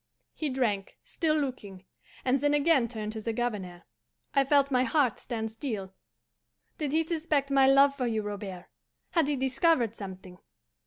He drank, still looking, and then turned again to the Governor. I felt my heart stand still. Did he suspect my love for you, Robert? Had he discovered something?